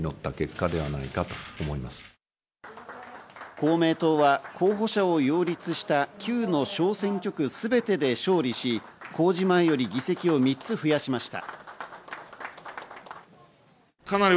公明党は候補者を擁立した９の小選挙区全てで勝利し、公示前より議席を３つ増やしました。